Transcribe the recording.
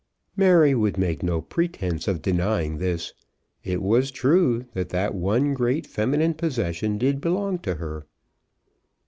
Mary would make no pretence of denying this. It was true that that one great feminine possession did belong to her.